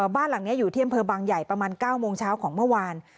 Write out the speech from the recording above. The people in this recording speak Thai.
บ้านหลังนี้อยู่ที่อำเภอบางใหญ่ประมาณ๙โมงเช้าของเมื่อวาน